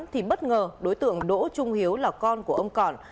thì bất ngờ đối tượng đỗ trung hiếu là con của ông còn